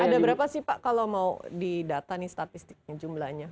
ada berapa sih pak kalau mau didata nih statistiknya jumlahnya